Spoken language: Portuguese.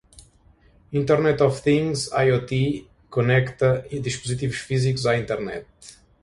Internet of Things (IoT) conecta dispositivos físicos à internet.